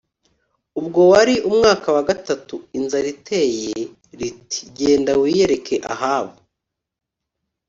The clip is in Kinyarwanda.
ubwo wari umwaka wa gatatu inzara iteye riti “Genda wiyereke Ahabu